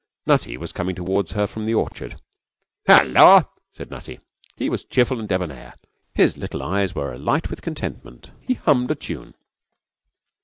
Nutty was coming towards her from the orchard. 'Halloa!' said Nutty. He was cheerful and debonair. His little eyes were alight with contentment. He hummed a tune.